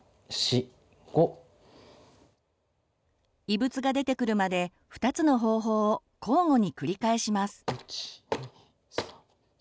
異物が出てくるまで２つの方法を交互に繰り返します。